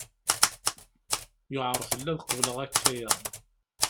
Yuɛer fell-i ad qableɣ akk aya!